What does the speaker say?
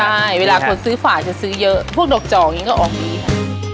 ใช่เวลาคนซื้อฝากจะซื้อเยอะพวกดอกจอกอย่างนี้ก็ออกดีค่ะ